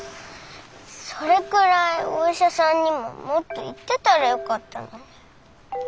それくらいお医者さんにももっと行ってたらよかったのに。